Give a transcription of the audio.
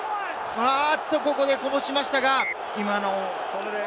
ここでこぼしましたが。